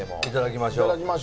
いただきましょう。